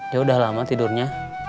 ya udah lama tidurnya